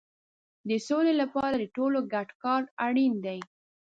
د سولې لپاره د ټولو ګډ کار اړین دی.